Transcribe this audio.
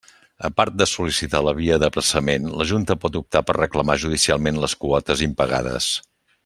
A part de sol·licitar la via d'apressament, la Junta pot optar per reclamar judicialment les quotes impagades.